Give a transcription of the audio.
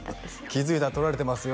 気づいたら撮られてますよ